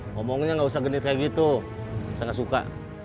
ngomongnya gak usah genit kayak gitu bisa gak suka